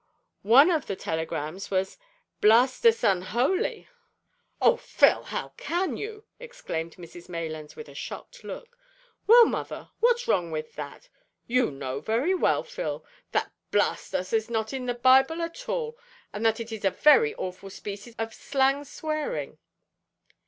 One of the telegrams was, `_Blastus unholy_.'" "Oh, Phil, how can you!" exclaimed Mrs Maylands, with a shocked look. "Well, mother, what's wrong in that?" "You know very well, Phil, that `Blast us' is not in the Bible at all, and that it is a very awful species of slang swearing."